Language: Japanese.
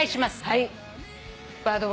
はい。